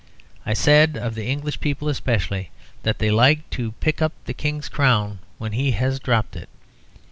I said of the English people specially that they like to pick up the King's crown when he has dropped it.